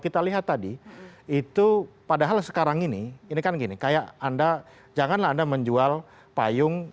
kita lihat tadi itu padahal sekarang ini ini kan gini kayak anda janganlah anda menjual payung